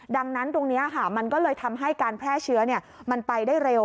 ดังนั้นตรงนี้มันก็เลยทำให้การแพร่เชื้อมันไปได้เร็ว